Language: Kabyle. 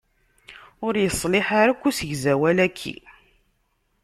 Ur yeṣliḥ ara akk usegzawal-aki.